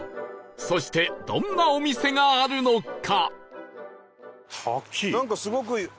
そしてどんなお店があるのか？